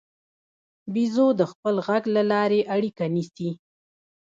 بیزو د خپل غږ له لارې اړیکه نیسي.